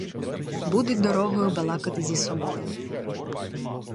Будуть дорогою балакати зі собою.